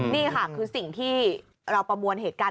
นี่ค่ะคือสิ่งที่เราประมวลเหตุการณ์